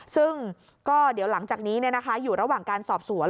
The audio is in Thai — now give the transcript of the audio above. ซึ่งก็เดี๋ยวหลังจากนี้อยู่ระหว่างการสอบสวน